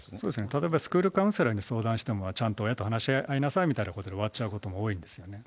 例えばスクールカウンセラーに相談しても、ちゃんと親と話し合いなさいみたいなことで終わっちゃうことも多いんですよね。